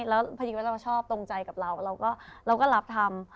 แล้วพอดีว่าเราชอบตรงใจกับเราเราก็รับทำ